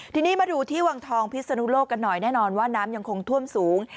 ทีนี้มาดูที่วังทองพิศนุโลกกันหน่อยแน่นอนว่าน้ำยังคงท่วมสูง